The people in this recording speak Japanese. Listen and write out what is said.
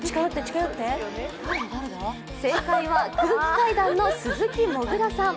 正解は空気階段の鈴木もぐらさん。